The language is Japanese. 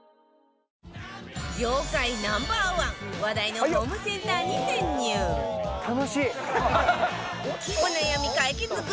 業界 Ｎｏ．１ 話題のホームセンターに潜入を発表！